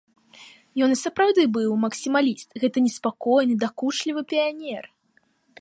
Ён і сапраўды быў максімаліст, гэты неспакойны, дакучлівы піянер.